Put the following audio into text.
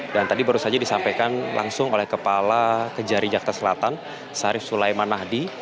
dan tadi baru saja disampaikan langsung oleh kepala kejari jakarta selatan sarif sulaiman mahdi